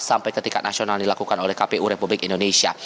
sampai ke tingkat nasional dilakukan oleh kpu republik indonesia